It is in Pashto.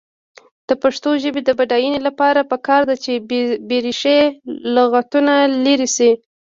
د پښتو ژبې د بډاینې لپاره پکار ده چې بېریښې لغتونه لرې شي.